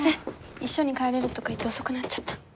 一緒に帰れるとか言って遅くなっちゃった。